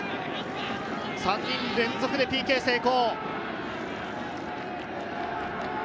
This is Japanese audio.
３人連続でＰＫ成功。